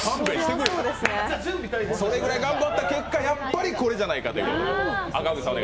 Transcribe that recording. それぐらい頑張った結果、やっぱりこれじゃないかと。